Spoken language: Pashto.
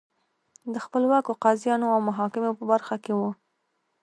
د خپلواکو قاضیانو او محاکمو په برخه کې وو